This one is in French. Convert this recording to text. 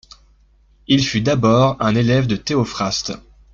Il fut d'abord un élève de Théophraste.